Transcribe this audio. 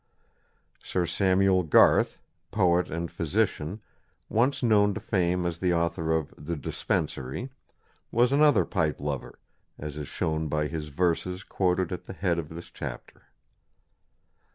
Sir Samuel Garth, poet and physician, once known to fame as the author of "The Dispensary," was another pipe lover, as is shown by his verses quoted at the head of this chapter.